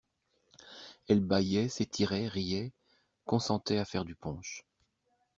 Elle baillait, s'étirait, riait, consentait à faire du punch.